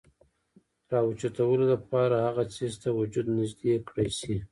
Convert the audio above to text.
راوچتولو د پاره هغه څيز ته وجود نزدې کړے شي ،